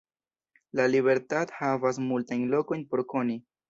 La Libertad havas multajn lokojn por koni.